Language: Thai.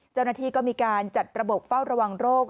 เจ้าหน้าที่ก็มีการจัดระบบเฝ้าระวังโรค